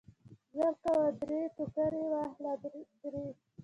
زرکوه درې ټوکرۍ واخله درې.